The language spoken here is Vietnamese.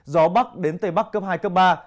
gió bắc đến tây bắc cấp hai cấp ba